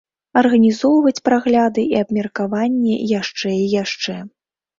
Арганізоўваць прагляды і абмеркаванні яшчэ і яшчэ.